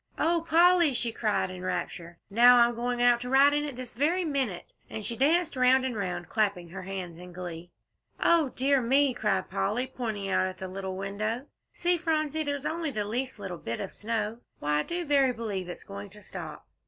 "Oh, Polly," she cried in rapture, "now I'm going out to ride on it this very minute," and she danced round and round, clapping her hands in glee. "O dear me!" cried Polly, pointing out of the little low window. "See, Phronsie, there's only the leastest little bit of snow. Why, I do verily b'lieve it's going to stop."